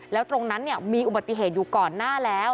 แล้วตรงนั้นมีอุบัติเหตุอยู่ก่อนหน้าแล้ว